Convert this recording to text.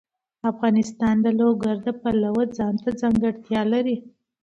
افغانستان د لوگر د پلوه ځانته ځانګړتیا لري.